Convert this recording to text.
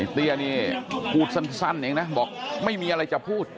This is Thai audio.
เตี้ยนี่พูดสั้นเองนะบอกไม่มีอะไรจะพูด